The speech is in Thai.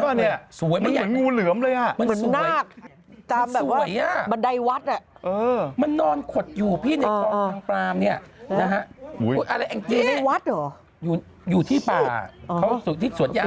ก็งั้นก็อยู่เต็มบ้านเลยมันของเอาไข่